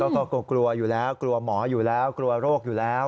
ก็กลัวอยู่แล้วกลัวหมออยู่แล้วกลัวโรคอยู่แล้ว